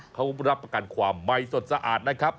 เขารับประกันความใหม่สดสะอาดนะครับ